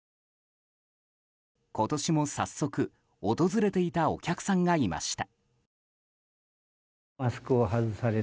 今年も早速、訪れていたお客さんがいました。